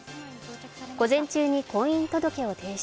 午前中に婚姻届を提出。